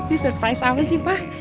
di surprise apa sih pak